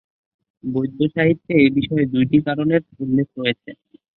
বৌদ্ধ সাহিত্যে এই বিষয়ে দুইটি কারণের উল্লেখ রয়েছে।